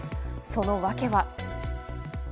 その訳は。